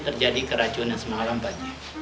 terjadi keracunan semalam banyak